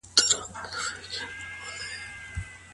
د بېلابېلو خيرونو په شتون کي تل لوی خير غوره کړئ.